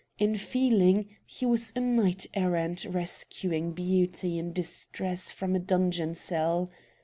In feeling, he was a knight errant rescuing beauty in distress from a dungeon cell.